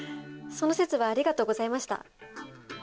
その節はありがとうございました